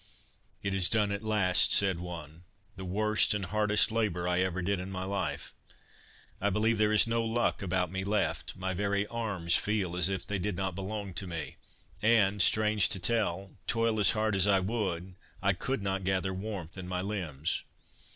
"It is done at last," said one; "the worst and hardest labour I ever did in my life. I believe there is no luck about me left. My very arms feel as if they did not belong to me; and, strange to tell, toil as hard as I would, I could not gather warmth in my limbs."